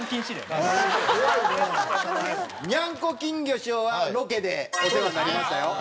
にゃん子・金魚師匠はロケでお世話になりましたよ。